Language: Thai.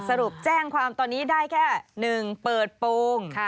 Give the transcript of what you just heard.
สรุปแจ้งความตอนนี้ได้แค่๑เปิดโปรง